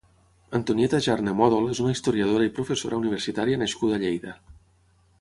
Antonieta Jarne Mòdol és una historiadora i professora universitària nascuda a Lleida.